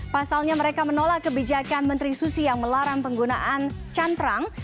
pasalnya mereka menolak kebijakan menteri susi yang melarang penggunaan cantrang